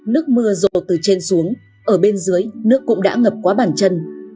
nước mưa rột từ trên xuống ở bên dưới nước cũng đã ngập qua bàn chân